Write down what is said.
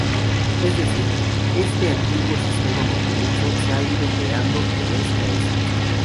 Es decir, este antiguo sistema montañoso se ha ido creando de oeste a este.